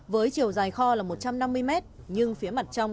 với chiều dài kho là một trăm năm mươi mét nhưng phía mặt trong